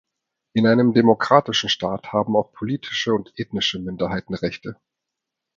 In einem demokratischen Staat haben auch politische und ethnische Minderheiten Rechte.